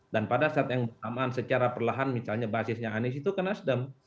dan pada saat yang bersamaan secara perlahan misalnya basisnya anies itu ke nasdem